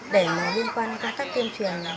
để liên quan các tác tiêm truyền